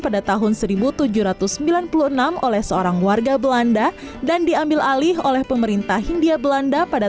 pada tahun seribu tujuh ratus sembilan puluh enam oleh seorang warga belanda dan diambil alih oleh pemerintah hindia belanda pada